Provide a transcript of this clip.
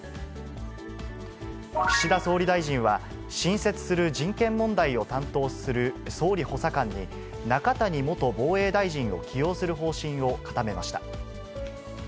岸田総理大臣は、新設する人権問題を担当する総理補佐官に、中谷元防衛大臣を起用する方針を固めました。